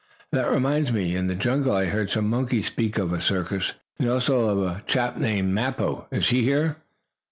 "That reminds me. In the jungle I heard some monkeys speak of a circus, and also of a chap named Mappo. Is he here?"